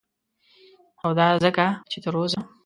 او دا ځکه چه تر اوسه